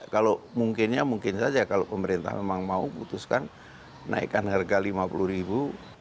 kalau mungkin saja kalau pemerintah memang mau putuskan naikkan harga lima puluh ribu